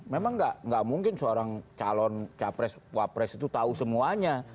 memang nggak mungkin seorang calon capres wapres itu tahu semuanya